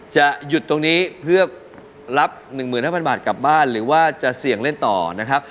จะหยุดตรงนี้เพื่อรับ๑๕๐๐บาทกลับบ้านหรือว่าจะเสี่ยงเล่นต่อนะครับ